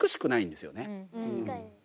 確かに。